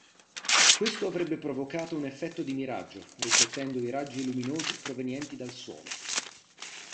Questo avrebbe provocato un effetto di miraggio, riflettendo i raggi luminosi provenienti dal suolo.